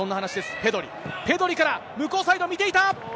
ペドリから、向こうサイドを見ていた。